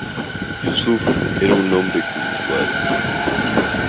Yusuf era un hombre cultivado.